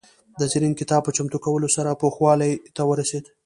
د زرین کتاب په چمتو کولو سره پوخوالي ته ورسېد.